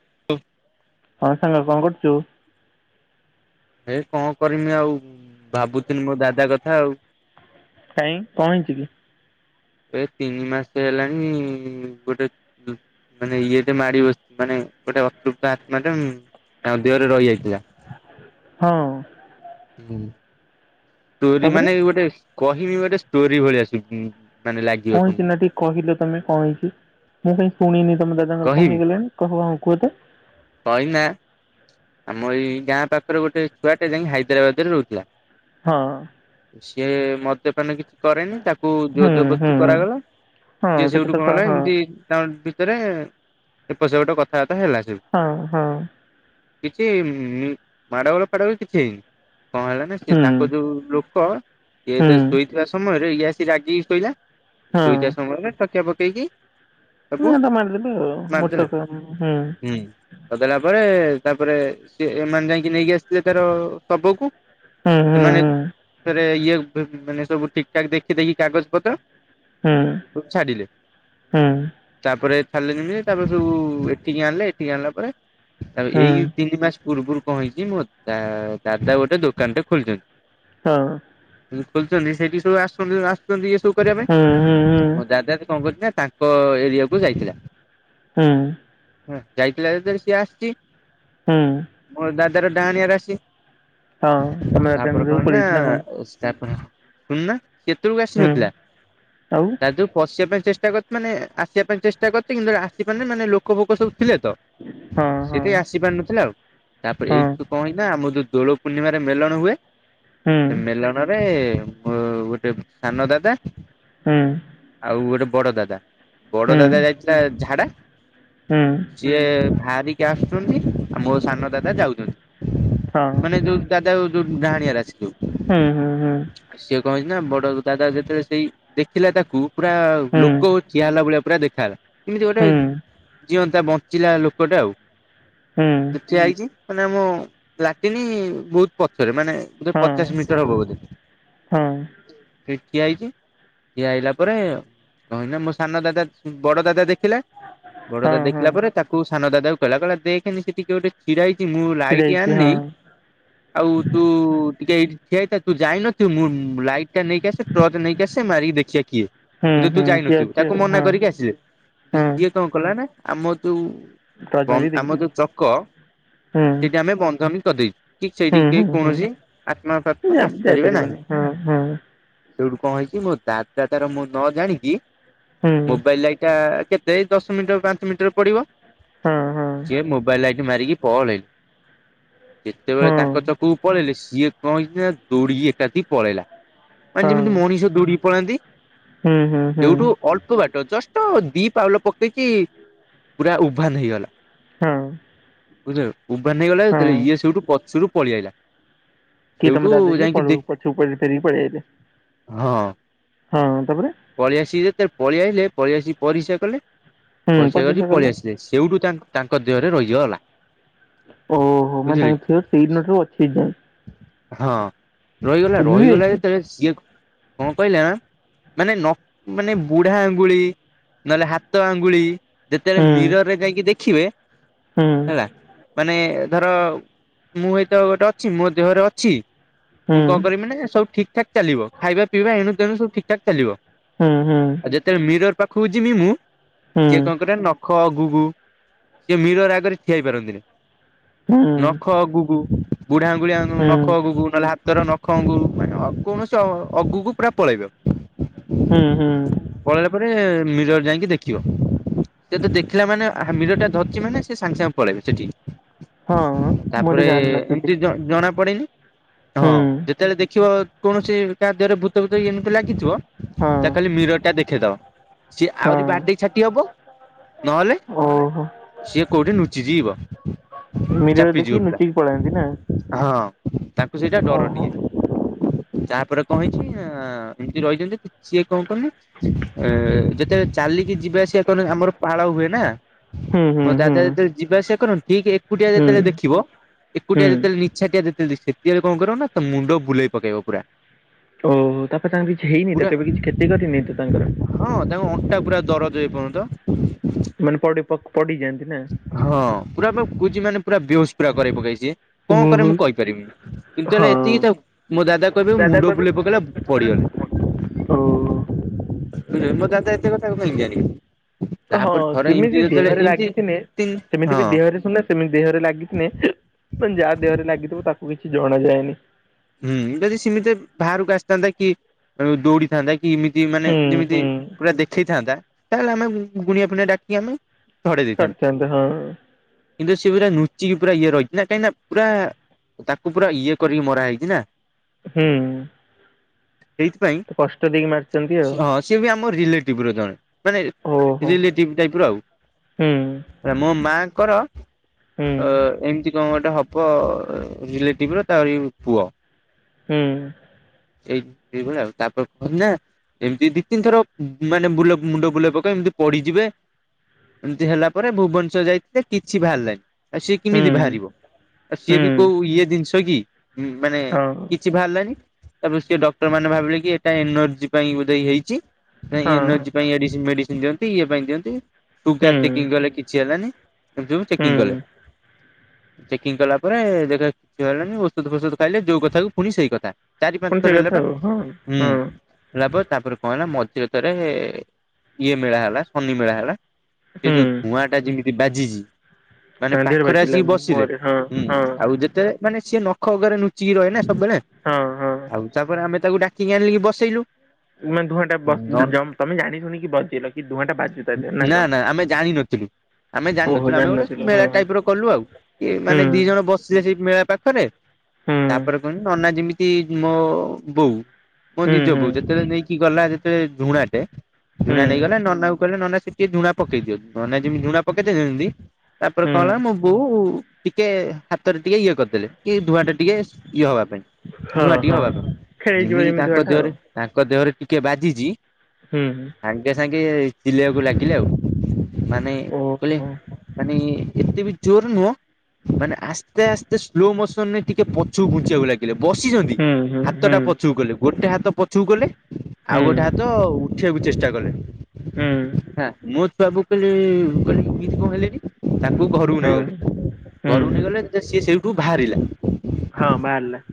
[unintelligible] ହଁ ସାଙ୍ଗ କଣ କରୁଛୁ? ଏ କଣ କରିମି ଆଉ ଭାବୁଥିଲି ମୋ ଦାଦା କଥା ଆଉ। କାଇଁ କଣ ହେଇଚି କି? ଏ ତିନି ମାସ ହେଲାଣି ଗୋଟେ ମାନେ ଇଏଟେ ମାଡି ବସି ମାନେ ଗୋଟେ ଅତୃପ୍ତ ଆତ୍ମା ଟା ତାଙ୍କ ଦେହରେ ରହିଯାଇଥିଲା। ହଁ। ହୁଁ ଷ୍ଟୋରି ତାପରେ ମାନେ ଗୋଟେ କହମି ଗୋଟେ ଷ୍ଟୋରି ଭଳିଆ ଶୁ କଣ ହୋଇଥିଲା କି କହିଲ ତମେ କଣ ହେଇଚି। ମୁଁ କାଇ ଶୁଣିନି ତମ ଦାଦା ଙ୍କର କହିବି ହେଇଗଲେଣି କହ କୁହତ କହିନା ଆମ ଏଇ ଗାଁ ପାଖରେ ଗୋଟେ ଛୁଆଟେ ଯାଇ ହାଇଦ୍ରାବାଦ ରେ ରହୁଥିଲା। ହଁ। ସିଏ ମଦ୍ୟପାନ କିଛି କରେନି ତାକୁ ଜର ହୁଁ ହୁଁ ଜରବସ୍ତି କରାଗଲା। ହଁ ସିଏ ସେଟା ତ ସେଇଠୁ କଣ କ- ହେଲା ହଁ ଏମିତି ତା ଭିତରେ ଏପ ସେ ଗୋଟେ କଥାବାର୍ତ୍ତା ହେଲା ସେଠୁ ହଁ ହଁ। କିଛି ମାଡ଼ଗୋଳ ଫାଡଗୋଳ କିଛି ହେଇନି କଣ ହେଲା ନା ସେ ହୁଁ ତାଙ୍କ ଯୋଉ ଲୋକ ଇଏ ହୁଁ ଶୋଇଥିବା ସମୟରେ ଇଏ ଆସି ରାଗିକି ଶୋଇଲା। ହଁ ଶୋଇଥିବା ସମୟରେ ତକିଆ ପକେଇକି [unintelligible] ତାକୁ ମାରିଦେଲେ ମାରିଦେଲେ ମୃତକ ହୁଁ। ହୁଁ। କରିଦେଲା ପରେ ତାପରେ ସିଏ ଏମାନେ ଯାଇକି ନେଇକି ଆସିଥିଲେ ତାର ଶବକୁ। ହୁଁ ହୁଁ। ମାନେ ହୁଁ ରେ ଇଏ ମାନେ ସବୁ ଠିକ୍ ଠାକ ଦେଖି ଦେଖି କାଗଜ ପତ୍ର। ହୁଁ। ଛାଡ଼ିଲେ। ହୁଁ। ତାପରେ ଛାଡ଼ିଲେ ଯେମିତି ତାପରେ ସବୁ ଏଠିକି ଆଣିଲେ ଏଠିକି ଆଣିଲା ପରେ ତାପ ହୁଁ ଏଇ ତିନି ମାସ ପୂର୍ବରୁ କଣ ହେଇଛି ମୋ ଦାଦା ଗୋଟେ ଦୋକାନଟେ ଖୋଲିଛନ୍ତି। ହଁ। ଖୋଲିଛନ୍ତି ସେଇଠି ସବୁ ଆସୁଚନ୍ତି ଆସୁଚନ୍ତି ଇଏ ସବୁ କରିବା ହୁଁ ପାଇଁ। ହୁଁ ମୋ ଦାଦା କଣ କରୁଛି ନା ତା ଙ୍କ ଏରିଆକୁୁ ଯାଇଥିଲା। ହୁଁ। ହଁ ଯାଇଥିଲା ଯେତେବେଳେ ସିଏ ଆସିଚି। ହୁଁ। ମୋର ଦାଦାର ଡାହାଣଆର ରାସି ତମ ଦାଦାଙ୍କ ତାପରେ ଘରକୁ କଣ ପଳେଇଛି ନା ହେଇଚିନା ଶୁଣୁନା ସେତବେଳକୁ ହୁଁ ଆସିନଥିଲା ଆଉ ତା ଦେହକୁ ପସିବା ପାଇଁ ଚେଷ୍ଟା କରି ମାନେ ଆସିବା ପାଇଁ ଚେଷ୍ଟା କରିଚି କିନ୍ତୁ ଆସିପାରିନି ମାନେ ଲୋକ ଫୋକ ସବୁ ଥିଲେ ତ ହଁ ହଁ ସେଠି ଆସି ପାରନଥିଲା ତାପରେ ହଁ ଏଇଠୁ କଣଇ ନା ଆମର ଯୋଉ ଦୋଳ ପୂର୍ଣିମାରେ ମେଳଣ ହୁଏ। ହୁଁ। ମେଲଣ ରେ ମୋ ଗୋଟେ ସାନ ଦାଦା ହୁଁ ଆଉ ଗୋଟେ ବଡ ଦାଦା ବଡ ହୁଁ ଦାଦା ଯାଇଥିଲା ଝାଡା। ହୁଁ ସିଏ ବାହାରିକି ଆସୁଛନ୍ତି ଆଉ ମୋ ସାନ ଦାଦା ହଁ ଯାଉଚନ୍ତି। ମାନେ ଯୋଉ ଦାଦା ଯୋଉ ଡାହାଣିଆ ରାଶି ଯୋଉ। ହୁଁ ହୁଁ ହୁଁ ସିଏ କଁ ହେଇଚିନା ବଡ ଦାଦା ଯେତେବେଳେ ସେଇ ଦେଖିଲା ତାକୁ ପୁରା ହୁଁ ଲୋକ ଠିଆ ହେଲା ଭଳିଆ ପୁରା ଦେଖାହେଲା। ଏମିତି ହୁଁ ଗୋଟେ ହୁଁ ଜିଅନ୍ତା ବଞ୍ଚିଲା ଲୋକଟେ ଆଉ। ଠିଆ ହେଇଚି ମାନେ ଆମ ଲାଟିନି ବହୁତ ପଛରେ ମାନେ ହଁ ବୋଧେ ହଁ ପଚାଶ ମିଟର ହବ ବୋଧେ? ସେଇଟି ଠିଆ ହେଇଚି। ଇଏ ଆଇଲା ପରେ କହିନା ମୋ ସାନ ଦାଦା ବଡ ଦାଦା ଦେଖିଲା। ବଡଦାଦ ହଁ ହଁ ଦେଖିଲା ପରେ ତାକୁ ସାନ ଦାଦାକୁ କହିଲା କଇଲା ଦେଖେନି ସେଟି କିଏ ଗୋଟେ ଛିଡା ହେଇଛି ମୁଁ ଛିଡ଼ା ଲାଇଟି ହେଇଛି ହଁ ଆଣିନେଇଁ ଆଉ ତୁ ଟିକେ ଏଇଠି ଠିଆ ହେଇଥା ତୁ ଯାଇନଥିବୁ ମୁଁ ଲାଇଟ୍ ଟା ନେଇକି ଆସେ ଟ୍ରଚ ନେଇକି ଆସେ ମାରିକି ଦେଖିବା କିଏ ହୁଁ କିନ୍ତୁ ହୁଁ ତୁ କିଏ ଯାଇନଥିବୁ ଅଛି ଆଉ ତାକୁ ହଁ ମନା କରିକି ଆସିଲେ ଯେ ହଁ ସିଏ କଁ କଲା ନା ଆମ ଯୋଉ ବନ୍ [unintelligible] ଆମ ଯୋଉ ଚକ ହୁଁ ସେଠି ଆମେ ବନ୍ଧମି କରିଦେଇଚୁ। ଠିକ ହୁଁ ସେଇଠିକି କେହି ହୁଁ ହୁଁ କୌଣସି ଆତ୍ମା ଫାତ୍ମା ଆସିପାରିବେ ନାହିଁ। ଯାଇପାରିବନି ହଁ ହଁ ସେଉଠୁ କଁ ହେଇଛି ମୋ ଦାଦା ତାର ମୁଁ ନ ଜାଣିକି ହୁଁ ମୋବାଇଲ ଲାଇଟା କେ ସେଇ ଦଶ ମିଟର ପାଞ୍ଚ ମିଟର ପଡ଼ିବ। ହଁ ହଁ ସିଏ ମୋବାଇଲ ଲାଇଟ ମାରିିକି ପଳେଇ ଯେତେବେଳେ ହଁ ତାଙ୍କ ଚଛକକୁ ପଳେଇଲେ ସିଏ କଁ ହେଇଚିନା ଦୌଡ଼ିକି ଏକାଠି ପଳେଇଲା। ମାନେ ହଁ ଯେମିତି ମଣିଷ ଦୌଡିକି ପଳାନ୍ତି। ହୁଁ ହୁଁ ହୁଁ ଏଉଠୁ ଅଳ୍ପ ବାଟ ଜଷ୍ଟ ଦି ପାଉଲ ପକେଇଚି ପୁରା ଉଭାନ ହେଇଗଲା। ହଁ ବୁଝିଲ ଉଭାନ ହେଇଗଲା ହଁ ଯେତେବେଳେ ଇଏ ସେଇଠୁ ପଛରୁ ପଳିଆଇଲା। କିଏ ତମ ଦାଦା ଯିଏ ପ ପଛୁକୁ ଫେରେ ଫେରିକି ପଳି ଆଇଲେ ହଁ ତାପରେ ପଳି ଆସିକି ଯେତେ ପଳିଆଇଲେ ପଳିଆସିକି ପରିସ୍ରା କଲେ। ହୁଁ ପରିସ୍ରା ପ୍ରତିଷ୍ଠା କରିକି କଲେ ପଳେଇ ଆସିଲେ ସେଇଠୁ ତାଙ୍କ ତାଙ୍କ ଦେହରେ ରହିଗଲା। ଓହୋ ମାନେ ବୁଝିଲେ କି ତାଙ୍କ ଝିଅ ସେଇ ଦିନଠୁ ଅଛି ଏଯାଏଁ। ହଁ ରହିଗଲା ଏବେ ବି ରହିଗଲା ଅଛି ଯେତେବେଳେ ସିଏ କଁ କହିଲା ନାଁ ମାନେ ନ ମାନେ ବୁଢା ଆଙ୍ଗୁଳି ନହେଲେ ହାତ ଆଙ୍ଗୁଳି ଯେତେବେଳେ ହୁଁ ମିରର ରେ ଯାଇକି ଦେଖିବେ ହୁଁ ହେଲା। ମାନେ ଧର ମୁଁ ଏଇତ ଗୋଟେ ଅଛି ମୋ ଦେହରେ ଅଛି। ହୁଁ ହୁଁ ମୁଁ କଣ କରିବି ନା ସବୁ ଠିକ ଠାକ ଚାଲିବ ଖାଇବା ପିଇବା ଏଣୁ ତେଣୁ ସବୁ ଠିକ ଠାକ ଚାଲିବ। ହୁଁ ହୁଁ। ଆଉ ଯେତେବେଳେ ମିରର ପାଖକୁ ଯିବି ମୁଁ ସିଏ ହୁଁ କଁ କରେ ନଖ୍ ଖ ଅଗୁକୁ ସିଏ ମିରର ଆଗରେ ଠିଆ ହେଇ ପାରନ୍ତିନି। ହୁଁ ନଖ ଅଗୁକୁ ବୁଢା ଆଙ୍ଗୁଳିଆ ନଖ ହୁଁ ଅଗୁକୁ ନହେଲେ ହା ତର ନଖ ଅଙ୍ଗୁକୁ ମାନେ କୌଣସି ଅ ଅଗକୁ ପୁରା ପଳେଇବ। ହୁଁ ହୁଁ। ପଳେଇଲା ପରେ ମିରର ଯାଇକି ଦେଖିବ। ସେ ତ ଦେଖିଲା ମାନେ ମିରର ଟା ଧରଛି ମାନେ ସେ ସାଙ୍ଗେ ସାଙ୍ଗେ ପଳେଇବେ ସେଠିକି। ହଁ ମୁଁ ଏଟା ତାପରେ ଜାଣିନଥିଲି ଏମିତି ଜ ଜଣା ପଡେନି ହୁଁ ହଁ। ଯେତେବେଳେ ଦେଖିବ କୌଣସି କାହା ଦେହରେ ଭୂତ ଫୁତ ଏମିତି ଲାଗିଥିବ ହଁ ତା ଖାଲି ମିରରଟା ଦେଖ୍ ଖେଇଦବ ସିଏ ହଁ ଆହୁରି ବାଡେଇ ଛାଟି ହବ। ନହେଲେ ଓହୋ ସିଏ କୋଉଠି ନୁଚି ଯିବ। ମିରର ଚାପିଯିବ ଦେଖିକି ପୁରା ଲୁଚିକି ପଳାନ୍ତି ନା ହଁ ତାଙ୍କୁ ସେଇଟା ଡର ଓହୋ ଟିକେ। ତାପରେ କଣ ହେଇଛି ନା ଏମିତି ରହିଛନ୍ତି। ସିଏ କଣ କହନି ଯେତେବେଳେ ଚାଲିକି ଯିବା ଆସିବା କରନ୍ତିଁ ଆମର ପାଳ ହୁଏ ନା। ହୁଁ ହୁଁ ମୋ ହୁଁ ଦାଦା ଯେତେବେଳେ ଯିବା ଆସିବା କରନ୍ତି ଠିକ୍ ଏକୁଟିଆ ହୁଁ ଯେତେବେଳେ ଦେଖିବ ଏକୁଟିଆ ହୁଁ ଯେତେବେଳେ ନିଛାଟିଆ ଯେତେବେଳେ ଦେଖି ସେତେବେଳେ କଣ କରିବ ନା ତା ମୁଣ୍ଡ ବୁଲେଇ ପକେଇବ ପୁରା। ଓ ହୁ ତାପରେ ତାଙ୍କର କିଛି ହେଇନି ତ ପୁରା କେବେ କିଛି କ୍ଷତି କରିନି ତ ତାଙ୍କର? ହଁ ତାଙ୍କ ଅଣ୍ଟା ପୁରା ଦରଜ ଏ ପର୍ଯ୍ୟନ୍ତ। ମାନେ ପଡି ପଡିଯାଆନ୍ତି ନା। ହଁ ପୁରା ପା କହୁଛି ମାନେ ପୁରା ବେହୁସ୍ ପୁରା କରେଇପକେ ସେ କଣ କରେ ଓହୋ ମୁଁ କହିପାରିବିନି। କିନ୍ତୁ ହେଲେ ହଁ ଏତିକି ଥାଉ ମୋ ଦାଦା କହିବେ ମୁଣ୍ଡ ବୁଲେଇ ପକେଇଲା ପଡିଗଲି। ଓ ହୋ। ମୋ ଦାଦା ଏତେ କଥା କେମିତି ଜାଣିବେ। ହଁ ତାପରେ ଥରେ ଏମିତି ସେମିତି ଯେତେବେଳେ ଦେହରେ ଏମିତି ଲାଗିଥିଲେେ ତିନି ସେମିତି ବି ହଁ ଦେହରେ ଶୁନ ସେମିତି ଦେହରେ ଲାଗିଥିନେ ମାନେ ଯାହା ଦେହରେ ଲାଗିଥିବ ତାକୁ କିଛି ଜଣା ଯାଏନି। ହୁଁ ଯଦି ସେମିତି ବାହାରକୁ ଆସିଥାନ୍ତା କି ଦୌଡିଥାନ୍ତା କି ଏମିତି ମାନେ ହୁଁ ଯେମିତି ହୁଁ ପୁରା ଦେଖେଇଥାନ୍ତା, ତାହେଲେ ଆମେ ଗୁଣିଆ ଫୁଣିଆ ଡାକି ଆମେ ଝଡେଇ ଦେଇଥାନ୍ତୁ। କରିଥାନ୍ତେ ହଁ କିନ୍ତୁ ସେ ପୁରା ଲୁଚିକି ପୁରା ଇଏ ରହିଛି ନା କାହିଁକିନା ପୁରା ତାକୁ ପୁରା ଇଏ କରିକି ମରା ହେଇ ଛିନା। ହୁଁ। ସେଇଥିପାଇଁ କଷ୍ଟ ଦେଇକି ମାରିଛନ୍ତି ଆଉ ହଁ ସିଏ ବି ଆମ ରିଲେଟିଭ ର ଜଣେ। ମାନେ ଓହୋ ରିଲେଟିଭ ଟାଇପ ର ହୁଁ ଆଉ ମୋ ମା ଙ୍କର ହୁଁ ଅ ଏମିତି କଣ ଗୋଟେ ହବ ରିଲେଟିଭ ର ତାରି ପୁଅ। ହୁଁ। ଏଇ ଏଇବଳି ଆଉ ତାପରେ କୁହନ୍ତି ନା ଏମିତି ଦି ତିନି ଥର ମାନେ ବୁଲ ମୁଣ୍ଡ ବୁଲେଇ ପକେଇ ଏମିତି ପଡିଯିବେ ଏମିତି ହେଲା ପରେ ଭୁବନେଶ୍ଵର ଯାଇଥିଲେ କିଛି ବାହାରିଲାନି। ସିଏ ହୁଁ କିମିତି ବାହାରିବ ଆଉ ସିଏ ହୁଁ ବି କୋଉ ଇଏ ଜିନିଷ କି? ହୁଁ ମାନେ ହଁ କିଛି ବାହାରିଲାନି। ତାପରେ ସିଏ ଡକ୍ଟର ମାନେ ଭାବିଲେ କି ଏଟା ଏନର୍ଜି ପାଇଁ ବୋଧେ ଇଏ ହେଇଛି। ଜାଇଁ ହଁ ଏନର୍ଜି ପାଇଁ ଏଡିସିନ୍ ମେଡିସିନ ଦିଅନ୍ତି ଇଏ ପାଇଁ ଦିଅନ୍ତି ହୁଁ ସୁଗାର ଚେକିଙ୍ଗ କଲେ କିଛି ହେଲାନି। ଏମିତି ସବୁ ଚେକିଙ୍ଗ କଲେ ହୁଁ ଚେକିଙ୍ଗ କଲା ପରେ ଦେଖିଲା କୁ କିଛି ବାହାରିଲାନି ଓ ଔଷଦ୍ ଫ୍ୟୈଷଦ୍ ଖାଇଲେ ଯୋଉ କଥା କ ପୁଣି ସେଇ କଥା ଚାରି ପୁଣି ପାଞ୍ଚ ସେଇ ଥର ହେଲେ କଥା ପା। ଆଉ ହଁ ହଁ ହେଲା ପରେ ତାପରେ କଣ ହେଲା‌ ମଧିରେ ଥରେ ଇଏ ମେଳା ହେଲା ଶନି ମେଳା ହେଲା ସେ ଯୋଉ ହୁଁ ଧୂଆଁ ଟା ଯେମିତି ବାଜିଚି ମାନେ ଦେହରେ ପାଖରେ ବାଜିଲା ଆସିକି ବସିଲେ ମୁହଁରେ ହଁ ହଁ ଆଉ ଯେତେ ମାନେ ସିଏ ନଖ ଅଗରେ ଲୁଚିକି ରହେ ନା ସବୁବେଳେ। ହଁ ହଁ। ଆଉ ତା ପରେ ଆମେ ତାକୁ ଡାକିକି ଆନ୍ଲିକି ବସେଇଲୁ। ମାନେ ଧୂଆଁ ଟା ବ ନ ତମେ ଜାଣି ଶୁଣିକି ବଜେଇଲ କି ଧୂଆଁ ଟା ବାଜୁ ତା ଦେହ ନା ନା ଆମେ ଜାଣିିନଥିଲୁ। ଆମେ ଓହୋ ଜାଣିନଥିଲୁ ଆମେ ଗୋଟେ ଜାଣିନଥିଲ ମେଳା ଟାଇପ ହଁ ର କଲୁ ଆଉ କି ହୁଁ ମାନେ ଦି ଜଣ ବସିଲେ ସେଇ ମେଳା ପାଖରେ ହୁଁ ତାପରେ କୁହନ୍ତି ନନା ଯେମିତି [unintelligible] ମୋ ବୋଉ ମୋ ହୁଁ ନିଜ ହୁଁ ବୋଉ ଯେତେବେଳେ ନେଇକି ଗଲା ଯେତେବେଳେ ଝୁଣାଟେ ହୁଁ ଝୁଣା ନେଇଗଲା। ନନା କୁ କହିଲେ ନନା ଟିକେ ଝୁଣା ପକେଇ ଦିଅ ନନା ଯେମିତି ଝୁଣା ପକେଇଦେଲେ ଯେମିତି ତାପରେ କଣ ହେଲା ହୁଁ ମୋ ବୋଉ ଟିକେ ହାତରେ ଟିକେ ଇଏ କରିଦେଲେ। କି ଧୂଆଁ ଟା ଟିକେ ଇଏ ହବା ପାଇଁ ହଁ ଧୂଆଁ ଟିକେ ହଁ ହବା ପାଇଁ ଖେଳିଯିବ ଯେମିତି ତାଙ୍କ ଧୂଆଁ ଟା ଆଉ ଦେହରେ ତାଙ୍କ ଦେହରେ ଟିକେ ବାଜିଛି। ହୁଁ ହୁଁ ସାଙ୍ଗେ ସାଙ୍ଗେ ଚିଲେଇବାକୁ ଲାଗିଲେ ଆଉ ମାନେ କହିଲେ ଓହୋ ମାନେ ଏତେ ବି ଜୋର ନୁହଁ। ମାନେ ଆସ୍ତେ ଆସ୍ତେ ସ୍ଲୋ ମୋ ତମେ [unintelligible] ଟିକେ ପଛକୁ ଘୁଞ୍ଚିବାକୁ ଲାଗିଲେ ବସିଛନ୍ତି ହୁଁ ହୁଁ ହୁଁ ହାତଟା ପଛକୁ କଲେ। ଗୋଟେ ହାତ ପଛକୁ କଲେ ହୁଁ ଆଉ ଗୋଟେ ହାତ ଉଠେଇବାକୁ ଚେଷ୍ଟା କଲେ। ହୁଁ ହଁ ମୁଁ ବାବୁ [unintelligible] କହିଲି ଏମିତି କଣ [unintelligible] ହେଲେଣି? ତାଙ୍କୁ [unintelligible] ଘରକୁ ହଁ ନେଇଗଲେ। ହୁଁ ଘରକୁ ହଁ ନେଇଗଲେ ସି ଏ ସେଇଠୁ ବାହାରିଲା। ହଁ ବାହାରିଲା।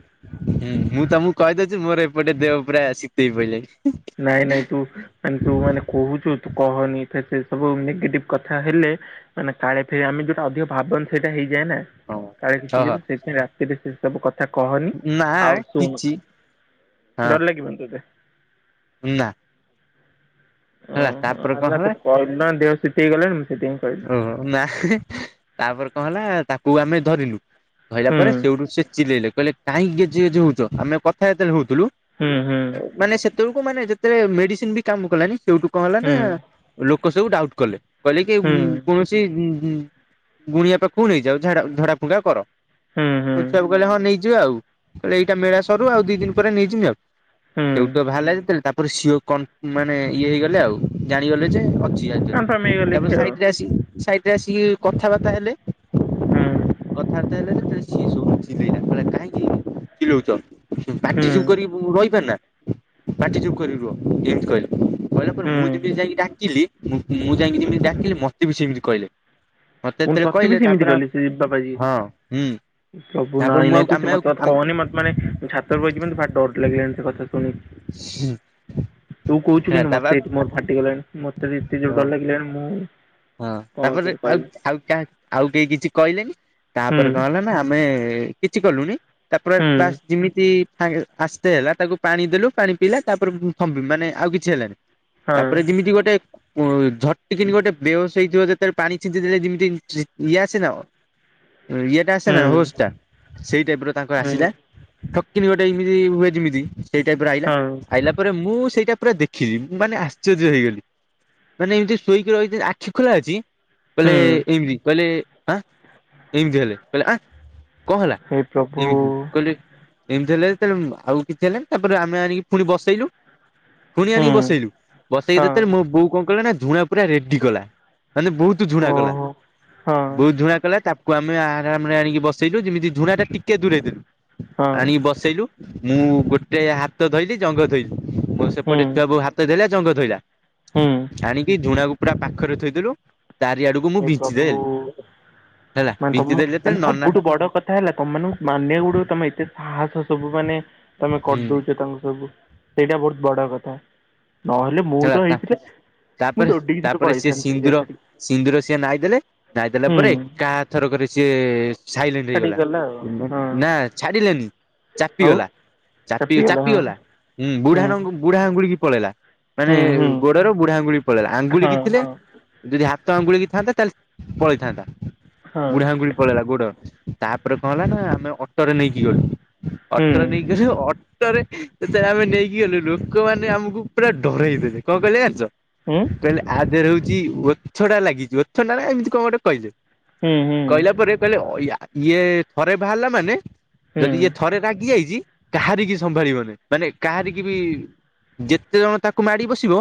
ହୁଁ ମୁଁ ତମକୁ କହିଦଉଛି ମୋର ଏପଟେ ଦେହ ପୁରା ଶିତେଇ ପଇ ଲାଣି। [unintelligible] ନାଇଁ ନାଇଁ ତୁ ମାନେ ତୁ ମାନେ କହୁଛୁ ତୁ କହନି ଏ ସେ ସବୁ ନେଗେଟିଭ୍ କଥା ହେଲେ ମାନେ କାଳେ ସେ ଆମେ ଯଉଟା ଅଧିକ ଭାବନ୍ତି ସେଇଟା ହେଇଯାଏ ନା କାଳେ କିଛି ଓହ ହେଲେ ସେଇଥିପାଇଁ ଏବେ ସେ ସବୁ କଥା କହନି ନା ଆଉ ଶୁଣ କିଛି ଡର ଲାଗିବ ନି ତତେ ହୁଁ ନା ଓହୋ ହେଲା ତାପରେ ନା କଣ ନା ତୁ ହେଲା କହିଲୁ ନା ଦେହ ସିତେଇ ଗଲାଣି ମୁଁ ସେଥିି [unintelligible] ପାଇଁ କହିଲି? ଓ ନା [unintelligible] ତାପରେ କଣ ହେଲା ତାକୁ ଆମେ ଧରିଲୁ। ଧଇଲା ପରେ ହୁଁ ସେଇଠୁ ସେ ଚିଲେଇଲେ କହିଲେ କାହିଁକି ଗେଜେ ଗେଜେ ହଉଛ। ଆମେ କଥା ଯେତେବେଳେ ହଉଥିଲୁ ହୁଁ ହୁଁ ମାନେ ସେତେବେଳକୁ ମାନେ ଯେତେବେଳେ ମେଡିସିନ ବି କାମ କଲାନି ସେଠୁ କଣ ହେଲା ନା! ହୁଁ ଲୋକ ସବୁ ଡାଉଟ୍ କଲେ। [inaudible] ହୁଁ କୌଣସି ଉ ଗୁଣିଆ ପାଖକୁ ନେଇଯାଅ ଝ ଡ଼ [unintelligible] ଝଡ଼ା ଫୁକା କର। ହୁଁ ହୁଁ ଉତ୍ସବ କହିଲେ ହଁ ନେଇଯିବା ଆଉ କହିଲେ ଏଇଟା ମେଳା ସରୁ ଆଉ ଦି ଦିନ ପରେ ନେଇ ଯିମି [inaudible] ଆଉ ହୁଁ ସେଉଠୁ [inaudible] ତ ବାହାରିଲା ଯେତେବେଳେ ତାପରେ [unintelligible] ମାନେ ଇଏ ହେଇଗଲେ ଆଉ ଜାଣିଗଲେ ଯେ ଅଛି ୟା ଦେ [unintelligible] ତାପରେ ସାଇଟ୍ ରେ ଆସି ସାଇଟ୍ ରେ ଆସିକି କଥାବାର୍ତ୍ତା ହେଲେ। ହୁଁ। [unintelligible] କଥାବାର୍ତ୍ତା ହେଲେ ସେତେବେଳେ ସିଏ ସୁଦ [unintelligible] ଚିଲେଇଲା [unintelligible] କାହିଁକି ଚିଲଉଛ ହୁଁ ପାଟି ଚୁପ୍ କରି ରହିପାରିଲା। ପାଟିଚୁପ୍ କରି ରୁହ। ଏମିତି କହିଲେ କହିଲା ପରେ ହୁଁ ମୁଁ ଯେମିତି ଯାଇକି ଡ଼ାକିଲି ମୁଁ ଯାଇକି ଯେମିତି ଡ଼ାକିଲି। ମତେ ବି ସେମିତି କହିଲେ ମତେ ପୁଣି ଯେତେବେଳେ ତୋତେ ବି କହିଲେ ସେମିତି ତାପରେ କଲେ ସେ ବାବାଜୀ ହଁ ହୁଁ ସବୁ ତାପରେ ନାଇଁ ମୁଁ ଆଉ ନାଇଁ ତୁ ସେ ଆମେ ଆଉ କଥା ଆମେ କହନି ମତେ ମାନେ ଛାତଉପରେ [unintelligible] ବଇଚି [unintelligible] ଭାରି ଡ଼ର ଲାଗିଲାଣି ତୋ କଥା ଶୁଣିି କି? [unintelligible] ତୁ କହୁଛୁ ହେଲା କିନ୍ତୁ ତାପ ମତେ ଏଠି ମୋର ଫାଟିଗଲାଣି ମତେ ଏତେ ଯୋରରେ ହଁ ଡ଼ର ଲାଗିଲାଣି ମୁଁ ହଁ କଣ ତାପରେ ତୋତେ ଆଉ କହିବି ଆଉ କାହା ଆଉ କେହି କିଛି କହିଲେନି ତାପରେ କଣ ହୁଁ ହେଲା ନା! ଆମେ କିଛି କଲୁନି ତାପରେ ବା ହୁଁ [unintelligible] ଯେମିତି [unintelligible] ଆସ୍ତେ ହେଲା ତାକୁ ପାଣି ଦେଲୁ ପାଣି ପିଇଲା ତାପରେ ମାନେ ଆଉ କିଛି ହେଲାନି। ହଁ ତାପରେ ଯେମିତି ଗୋଟେ ଉ [unintelligible] ଝଟ୍ କି ଣି ଗୋଟେ [unintelligible] ଯେତେବେଳେ ପାଣି ଛି ଚି ଦେଲେ ଯିମିତି [unintelligible] [unintelligible] ଆସେ ନା ହୋସ ହୁଁ ଟା ସେଇ ଟାଇପ୍ ର ତାଙ୍କର ଆସିଲା। ହୁଁ ଠକ୍ [unintelligible] ନି ଗୋଟେ ଏମିତି ହୁଏ ଯିମିତି ସେଇ ଟାଇପ ଆଇଲା ହଁ ଆଇ ମୁଁ ସେଇଟା ପୁରା ଦେଖିଲି ମୁଁ ମାନେ ଆଶ୍ଚର୍ଯ୍ୟ ହେଇଗଲି ମାନେ ଏମିତି ଶୋଇକି ରହି ଖଠ ଖୋଲା ଅଛି କହିଲେ ହୁଁ ଏମିତି କହିଲେ ହଁ ଏମିତି ହେଲେ କହିଲେ ଆ କଣ ହେଲା ହେ ପ୍ରଭୁ ଏମତି କହିଲେ ଏମିତି ହେଲେଲେ ଆଉ କିଛି ହେଲେଣିି ତାପରେ ଆମେ ଆଣିକି ପୁଣି ବସେଇଲୁ ଶୁଣି ହୁଁ ଆଣିକି ବସେଇଲୁ ବସେଇକି ହଁ ଦେତେବେଳେ ମୋ ବୋଉ କଣ କଲେ ନା ଝୁଣା ପୁରା ରେଡି କଲା ମାନେ ବହୁତ ଝୁଣା କଲା ଓହୋ ହଁ ବହୁତ ଝୁଣା କଲା ତା ଆମେ ଆରାମରେ ଆଣିକି ବସେଇଛୁ ଯେମିତି ଝୁଣା ଟା ଟିକେ ଦୂରେୁ ହଁ ଆଣିକି ବସେଇଲୁ ମୁଁ ଗୋଟେ ହାତ ଧୋଇଲି ଜଙ୍ଗ ଧୋଇଲି ମୋ ହୁଁ ସେପଟେ ଛୁଆ ବୋଉ ହାତ ଧୋଇଲା ଜଙ୍ଗ ଥୋଇଲା ହୁଁ ଆଣିକି ଝୁଣାକୁୁ ପୁରା ପାଖରେ ଥୋଇଥିଲୁ ତାରି ଆଡକୁ ମୁଁ ହେ ବିଞ୍ଚିଦଲି ପ୍ରଭୁ ହେଲା ମାନେ ତମ ବିଞ୍ଚିଦଲି ଯେତେ ମାନେ ନନା ସବୁଠୁ ବଡ଼ କଥା ହେଲା ତମ ମାନେ ଗୁଡ ତମେ ଏତେ ସାହସ ସବୁ ମାନେ ତମେ ହୁଁ କରିଦଉଛ ତାଙ୍କୁ ସବୁ ସେଇଟା ବହୁତ ବଡ କଥା ନହେଲେ ମୁଁ ହେଲା ତ ତା ହେଇଥିଲେ ମୁଁ ତାପରେ ଦୌଡିକି ସେଠ ତାପରେ ସିଏ କହିଥାନ୍ତି ସେଇଆ ସିନ୍ଦୁର ସେଠି ସିନ୍ଦୁର ସିଏ ନାଇଁ ଦେଲେ ନାଇଁ ଦେଲା ପରେ କାହା ଥରକରେ ସିଏ ସାଇ ହେଇଗଲା ଛାଡ଼ିକି ଗଲା ଆଉ ନା ଛାଡିଲେନି ହଁ ଆଉ ଚାପିଗଲା ଚାପି ଚାପିଗଲା ଚାପି ହଁ ଗଲା ବୁଢାନଙ୍କୁ ବୁଢା ଆଙ୍ଗୁଳି କି ପଳେଇଲା ମାନେ ହୁଁ ହୁଁ ହୁଁ ଗୋଡର ବୁଢା ଆଙ୍ଗୁଳି ପଳେଇଲା ଆଙ୍ଗୁଳି ହଁ କି ଥିଲେ ହଁ ଯଦି ହାତ ଆଙ୍ଗୁଳିିକ ଥାନ୍ତା ତାହେଲେ ପଳେଇଥାନ୍ତା ହଁ ବୁଢା ଆଙ୍ଗୁଳି ପଳେଇଲା ଗୋଡ ତାପରେ କଣ ହେଲା ନା ଆମେ ଅଟୋରେ ନେଇକି ଗଲୁ ହୁଁ ଅଟୋରେ ନେଇକି ଅଟୋରେ ସେତ ଆମେ ନେଇକି ଗଲୁ ଲୋକମାନୋନେ ଆମକୁ ପୁରା ଡରାଇଦେଥିଲେ କ ଲ ଆାଣିଛ ହୁଁ କହିଲେ ଆଦରେ ହଉଛି ଓଛ ଟା ଲାଗିଛି ଓଛ ଟା ଏମିତି କଣ ଗୋଟେ କହିଲେ ହୁଁ ହୁଁ କହିଲା ପରେ କହିଲେ ଇଏ ଥରେ ବାହାରିଲା ମାନେ ହୁଁ ଯଦି ଯଏ ଥରେ ରାଗି ଯାଇଛି କାହାରିିକି ସମ୍ଭାଳିବନି ମାନେ କାହାରି କିି ବି ଯେତ କେତେ ଜଣ ତାକୁ ମାଡି ବସିବ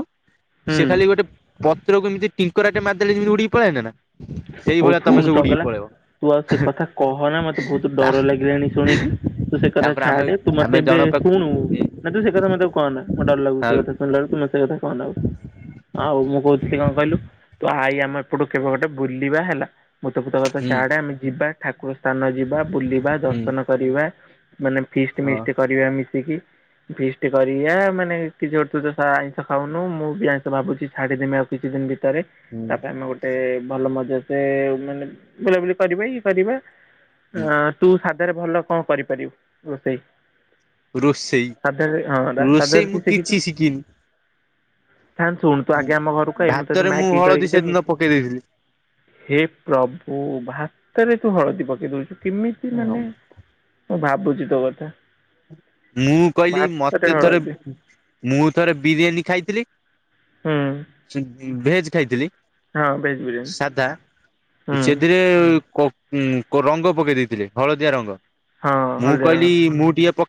ସେ ହୁଁ ଖାଲି ଗୋଟେ ପତ୍ରକୁ ଏମିତି ଟିଙ୍କରାଟେ ମାରଲେ ଯେମିତି ଉଡିକି ପଳେଇନ ନା ହଉ ସେଇଭଳିଆ ତମେ ଶୁଣୁ ସବ ଉଡିକି ଚଗଲା ପଳେଇବ ତୁ ଆଉ ସେ କଥା କହନା ମତେ ବହୁତ ତା ଡର ଲାଗିଲାଣି ଶୁଣିକି ତୁ ସେ କଥା ତାପରେ ଆମେ ଛାଟେ ତୁ ଆମେ ମତେ ଏବେ ଜଣଙ୍କ ପାଖକୁ ଶୁଣୁ ତୁ ସେ କଥା ମତେ କଣ ଡ ଲାଗୁ ଆଉ ସେଥା ଶୁୁ ସେଥା କଣ ଆ ଆଉ ମୁଁ କହୁଥିଲି କଣ କହିଲୁ ତୁ ଆଈ ଆମ ଏପଟୁ କେବେ ଗୋଟେ ବୁଲିବା ହେଲା ମୁତକୁତକଥା ହୁଁ ଚାଡେ ଆମେ ଯିବା ଠାକୁର ସ୍ଥାନ ଯିବା ବୁଲିବା ହୁଁ ଦର୍ଶନ କରିବା ମାନେ ମିିଷ୍ଟ ହଁ ମିଷ୍ଟ କରିବା ମିଶିକି ଫିଷ୍ଟ କର ମାନେ କିଛିୋଟୁ ତ ଆଇଁଷ ଖାଉନୁ ମୁଁ ବି ଆଇଁଷ ଭାବୁଛି ଛାଡିଦମି ଆଉ କିଛି ଦିନିତ ଭିତରେ ହୁଁ ତାପ ଆମେ ଗୋଟେ ଭଲ ମଜା ସେ ମାନେ ବୁଲାବୁଲି କରିବା ଇ କରିବା ହୁଁ ଅ ତୁ ସାଧାରେ ଭଲ କଣ କରିପାରିବୁ ରୋଷେଇ ରୋଷେଇ ସାଧ ହଁ ରୋଷେଇ ସାଧରେ ମୁଁ କି କିଛି ଶିଖିଛୁ ଶିଖିନି। ଶୁ ଆ୍ ଆମ ଘରକୁହାଇ ମୁଁ ତତେ ଭାତରେ ମ୍ୟାଗ ହଳଦୀ ସେଦିନ କରିକିମି ଦେଇଥିଲି [unintelligible] ହେ ପ୍ରଭୁ ଭାତରେ ତୁ ହଳଦୀ ପକେଇ ଦଉଛୁ କେମିତି ମାନେ ମୁଁ ମୁଁ ଭାବୁଛି ତୋ କଥା ମୁଁ କହିଲି ଭାତରେ ମତେ ଥରେ ହଳଦୀ ମୁଁ ଥରେ ବିରିୟାନୀ ଖାଇଥିଲି ହୁଁ ଭେଜ ଖାଇଥିଲି ହଁ ଭେଜ୍ ବିରିୟାନୀ ସାଧା ହୁଁ ସେଥିରେ ଉଁ ରଙ୍ଗ ପକେଇ ଦେଇେଇଥିଲେ ହଳଦିଆ ରଙ୍ଗ ହଁ ମୁଁ ହଳଦିଆ କହିଲି ରଙ୍ଗର ମୁଁ ଟିକେ